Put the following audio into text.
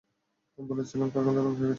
বলেছিলাম, কারখানাটা ধ্বংস হয়ে গেছে!